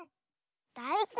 だいこん？